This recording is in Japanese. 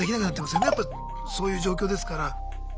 そういう状況ですから。